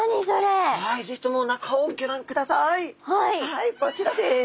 はいこちらです。